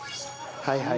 はいはい。